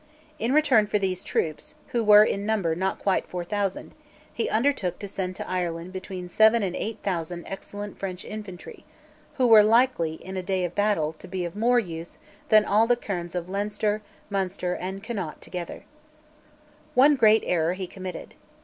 In return for these troops, who were in number not quite four thousand, he undertook to send to Ireland between seven and eight thousand excellent French infantry, who were likely in a day of battle to be of more use than all the kernes of Leinster, Munster and Connaught together, One great error he committed.